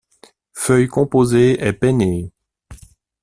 Feuilles composées et pennées.